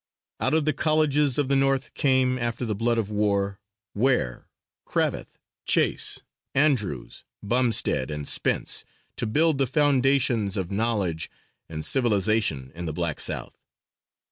Out of the colleges of the North came, after the blood of war, Ware, Cravath, Chase, Andrews, Bumstead and Spence to build the foundations of knowledge and civilization in the black South.